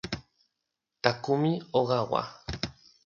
Takumi Ogawa